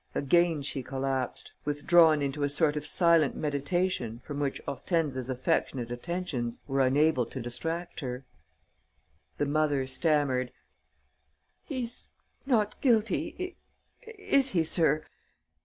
Again she collapsed, withdrawn into a sort of silent meditation from which Hortense's affectionate attentions were unable to distract her. The mother stammered: "He's not guilty, is he, sir?